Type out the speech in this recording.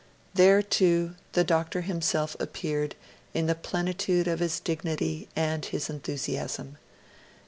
There, too, the Doctor himself appeared in the plenitude of his dignity and his enthusiasm.